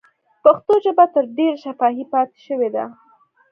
پښتو ژبه تر ډېره شفاهي پاتې شوې ده.